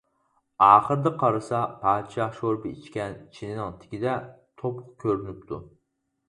ئاخىرىدا قارىسا، پادىشاھ شورپا ئىچكەن چىنىنىڭ تېگىدە توپۇق كۆرۈنۈپتۇ.